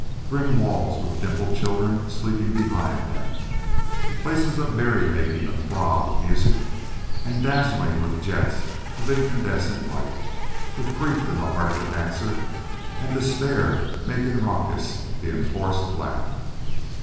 Grim walls, with dimpled children sleeping behind them! Places of merrymaking athrob with music and dazzling with jets of incandescent light, with grief in the heart of the dancer and despair making raucous the enforced laugh!